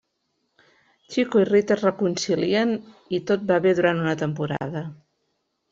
Chico i Rita es reconcilien i tot va bé durant una temporada.